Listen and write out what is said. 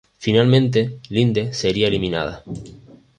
Finalmente Lindes sería eliminada.